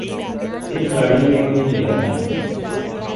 اس گاڑی میں کوئی جگہ نہیں